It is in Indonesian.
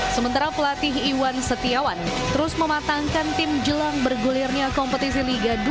sementara pelatih iwan setiawan terus mematangkan tim jelang bergulirnya kompetisi liga dua